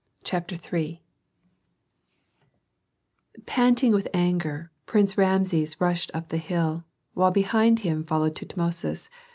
CHAPTER III Panting with anger, Prince Rameses rushed up the hill, while behind him followed Tutmosis.